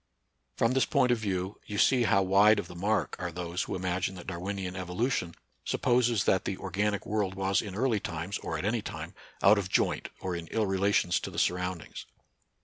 From this point of view you see how wide of the mark are those who imagine that Dar winian evolution supposes that the organic world was in early times, or at any time, out of joint or in ill relations to the surroundings.